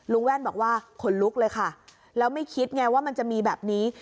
แว่นบอกว่าขนลุกเลยค่ะแล้วไม่คิดไงว่ามันจะมีแบบนี้